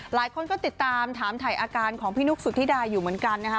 หลายคนก็ติดตามถามถ่ายอาการของพี่นุ๊กสุธิดาอยู่เหมือนกันนะคะ